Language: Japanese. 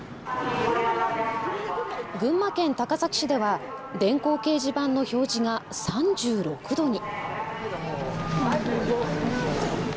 群馬県高崎市では電光掲示板の表示が３６度に。